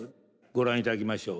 ご覧いただきましょう。